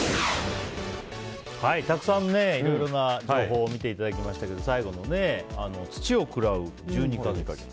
たくさんいろいろな情報を見ていただきましたけど最後の「土を喰らう十二ヵ月」。